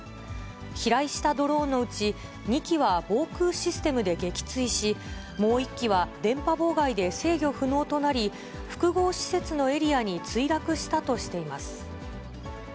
飛来したドローンのうち、２機は防空システムで撃墜し、もう１機は電波妨害で制御不能となり、複合施設のエリアに墜落したとしています。